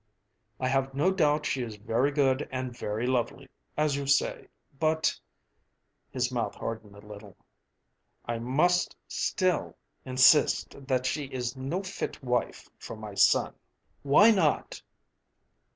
I have no doubt she is very good and very lovely, as you say; but" his mouth hardened a little "I must still insist that she is no fit wife for my son." "Why not?"